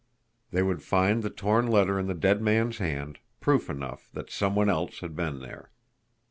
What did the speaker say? They would find the torn letter in the dead man's hand, proof enough that some one else had been there.